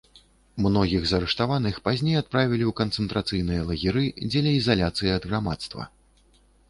Многіх з арыштаваных пазней адправілі ў канцэнтрацыйныя лагеры дзеля ізаляцыі ад грамадства.